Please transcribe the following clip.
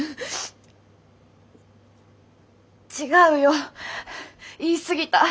違うよ言い過ぎた。